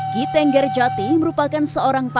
kitengger jati merupakan seorang pangeran